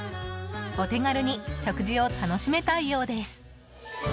お手軽に食事を楽しめたようです。